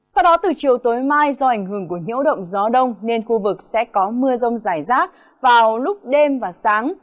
sau đó từ chiều tối mai do ảnh hưởng của nhiễu động gió đông nên khu vực sẽ có mưa rông rải rác vào lúc đêm và sáng